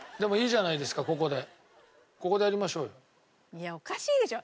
いやおかしいでしょ？